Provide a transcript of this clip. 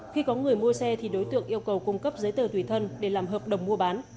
khi có người mua xe thì đối tượng yêu cầu cung cấp giấy tờ tùy thân để làm hợp đồng mua bán